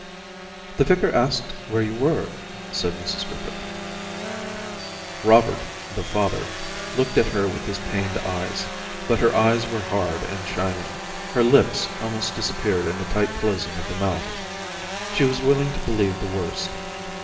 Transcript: * The vicar asked where you were, ' said Mrs Griffith. Robert, the father, looked at her with his pained eyes, but her eyes were hard and Daisy ^25 shining, her lips almost disappeared in the tight closing of the mouth. She was willing to believe the worst.